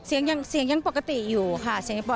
เสียงยังปกติอยู่ค่ะ